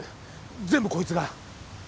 全部こいつが。